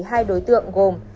hai đối tượng gồm